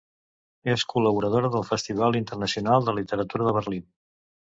És col·laboradora del Festival Internacional de Literatura de Berlín.